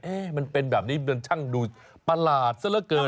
เอ๊ะมันเป็นแบบนี้ช่างดูประหลาดสระเกิน